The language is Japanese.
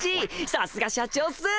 さすが社長っす！